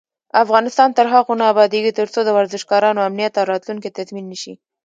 افغانستان تر هغو نه ابادیږي، ترڅو د ورزشکارانو امنیت او راتلونکی تضمین نشي.